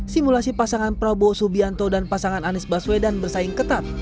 simulasi pasangan prabowo subianto dan pasangan anies baswedan bersaing ketat